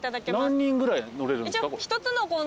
何人ぐらい乗れるんですか？